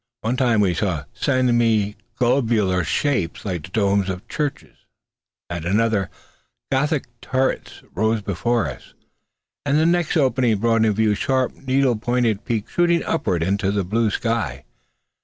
At one time we saw semi globular shapes like the domes of churches; at another, Gothic turrets rose before us; and the next opening brought in view sharp needle pointed peaks, shooting upward into the blue sky.